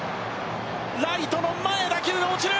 ライトの前、打球が落ちる。